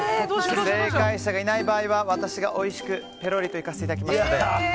正解者がいない場合は私がおいしくぺろりといかせていただきますので。